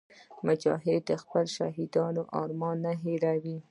مجاهد د خپلو شهیدانو ارمان نه هېروي.